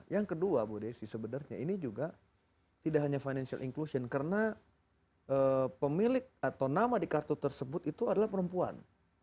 yang kedua bu desi sebenarnya ini juga tidak hanya financial inclusion karena pemilik atau nama di kartu tersebut itu adalah perempuan